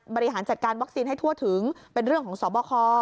บริหารจัดการวัคซีนให้ทั่วถึงเป็นเรื่องของสอบคอ